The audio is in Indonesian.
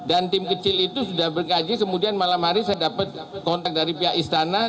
dan tim kecil itu sudah berkaji kemudian malam hari saya dapat kontak dari pihak istana